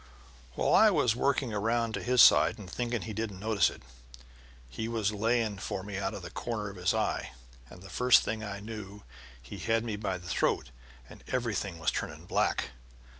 While I was working around to his side and thinking he didn't notice it, he was laying for me out of the corner of his eye, and the first thing I knew he had me by the throat and everything was turning black.